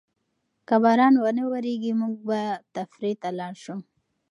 که باران ونه وریږي، موږ به تفریح ته لاړ شو.